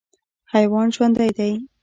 حیوان ژوندی دی.